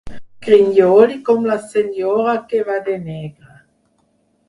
Grinyoli com la senyora que va de negre.